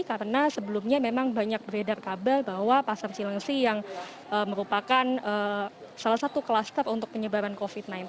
karena sebelumnya memang banyak beredar kabar bahwa pasar cilangsi yang merupakan salah satu kluster untuk penyebaran covid sembilan belas